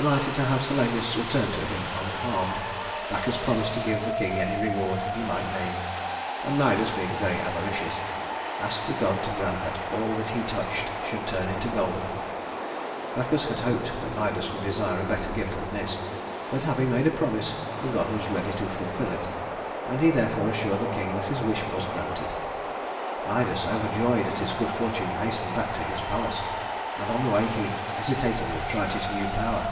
Delighted to have Silenus returned to him unharmed, Bacchus promised to give the king any reward he might name; and Midas, being very avaricious, asked the god to grant that all that he touched should turn into gold. Bacchus had hoped that Midas would desire a better gift than this; but having made a promise, the god was ready to fulfill it, and he therefore assured the king that his wish was granted. Midas, overjoyed at his good fortune, hastened back to his palace, and on the way he hesitatingly tried his new power.